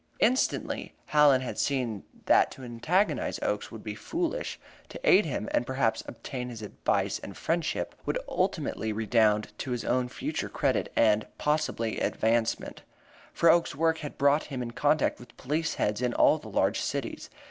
Instantly Hallen had seen that to antagonize Oakes would be foolish; to aid him, and perhaps obtain his advice and friendship, would ultimately redound to his own future credit and, possibly, advancement. For Oakes's work had brought him in contact with police heads in all the large cities.